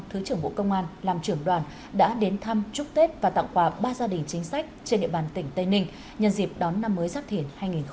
thứ trưởng bộ công an làm trưởng đoàn đã đến thăm chúc tết và tặng quà ba gia đình chính sách trên địa bàn tỉnh tây ninh nhân dịp đón năm mới giác thiển hai nghìn hai mươi bốn